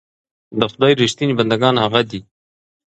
د خدای رښتيني بندګان هغه دي.